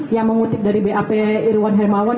yang mengutip dari bap irwan hermawan